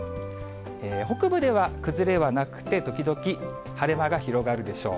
北部では崩れはなくて、時々晴れ間が広がるでしょう。